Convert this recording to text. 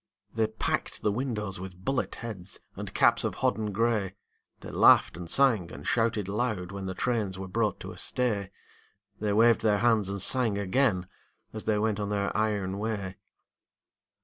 They packed the windows with bullet heads And caps of hodden gray; They laughed and sang and shouted loud When the trains were brought to a stay; They waved their hands and sang again As they went on their iron way.